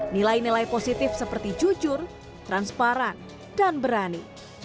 nilai nilai positif seperti jujur transparan dan berani